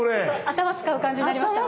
頭使う感じになりました？